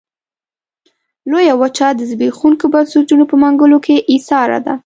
لویه وچه د زبېښونکو بنسټونو په منګلو کې ایساره ده.